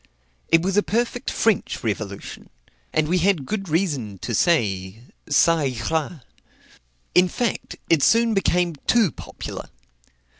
It was a perfect French revolution; and we had good reason to say, Ca ira. In fact, it soon became too popular.